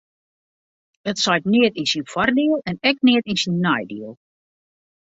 It seit neat yn syn foardiel en ek net yn syn neidiel.